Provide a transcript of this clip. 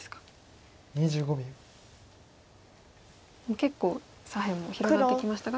結構左辺も広がってきましたが。